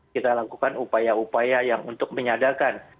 kita lakukan upaya upaya yang untuk menyadarkan